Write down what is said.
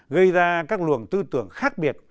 gây ra các luồng tư tưởng khác biệt